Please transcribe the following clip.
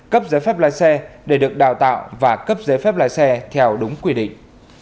cấp giấy phép lái xe để được đào tạo và cấp giấy phép lái xe theo đúng quy định